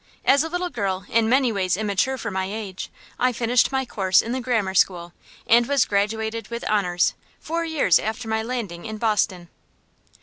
As a little girl, in many ways immature for my age, I finished my course in the grammar school, and was graduated with honors, four years after my landing in Boston.